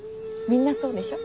みんなそうでしょ？